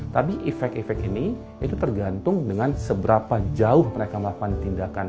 tapi efek efek ini itu tergantung dengan seberapa jauh mereka melakukan tindakan